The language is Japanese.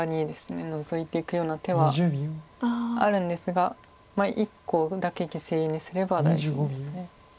ノゾいていくような手はあるんですが１個だけ犠牲にすれば大丈夫です。